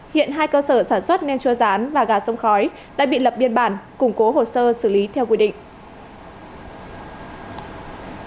hiện hai cơ sở sản xuất nem chua rán và gà sông khói đã bị lập biên bản củng cố hồ sơ xử lý theo quy định